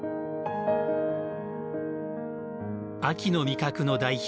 秋の味覚の代表